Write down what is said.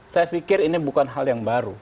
saya pikir ini bukan hal yang baru